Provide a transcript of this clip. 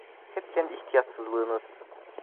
Hep kendi ihtiyatsızlığınız!